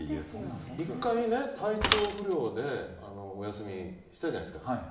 １回体調不良でお休みしてたじゃないですか。